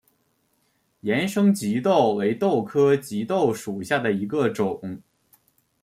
盐生棘豆为豆科棘豆属下的一个种。